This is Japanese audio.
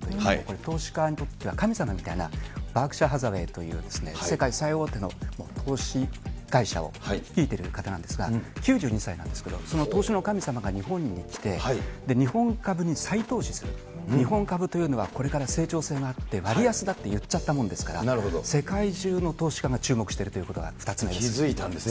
ところが４月にウォーレン・バレットさん、これ、投資家にとっては神様みたいな、バークシャーハザウェイという世界最大手の投資会社を率いている方なんですが、９２歳なんですけど、その投資の神様が日本に来て、日本株に再投資する、日本株というのはこれから成長性があって、割安だって言っちゃったもんですから、世界中の投資家が注目しているということが２つ気付いたんですね。